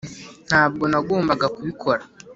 ntabwo nagombaga kubikora.